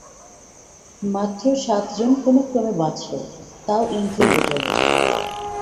মাত্র সাতজন কোনোক্রমে বাঁচল, তাও ইনকিউবেটরে।